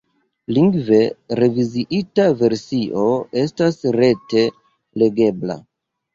Lingve reviziita versio estas rete legebla.